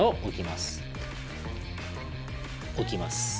置きます。